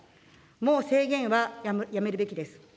もう制限はやめるべきです。